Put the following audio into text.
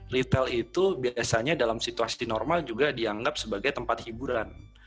retail itu biasanya dalam situasi normal juga dianggap sebagai tempat hiburan